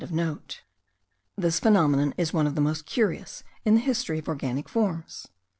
This phenomenon is one of the most curious in the history of organic forms.